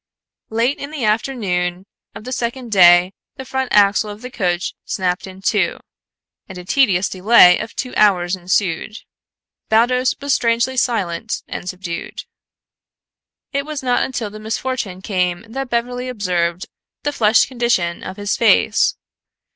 Late in the afternoon of the second day the front axle of the coach snapped in two, and a tedious delay of two hours ensued. Baldos was strangely silent and subdued. It was not until the misfortune came that Beverly observed the flushed condition of his face.